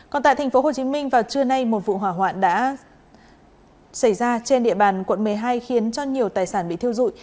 còn tại tp hcm vào trưa nay một vụ hỏa hoạn đã xảy ra trên địa bàn quận một mươi hai khiến cho nhiều tài sản bị thiêu dụi